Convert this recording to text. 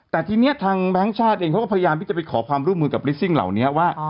แต่ทีนี้ทางแบงค์ชาติเองเขาก็พยายามที่จะไปขอความร่วมมือกับลิสซิ่งเหล่านี้ว่า